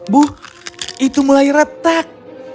bu itu mulai retak